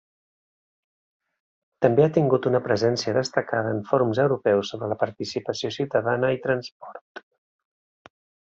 També ha tingut una presència destacada en fòrums europeus sobre participació ciutadana i transport.